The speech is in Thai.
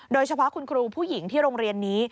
โดยเฉพาะคุณครูผู้หญิงที่โรงเรียนนี้